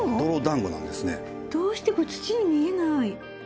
どうして土に見えない。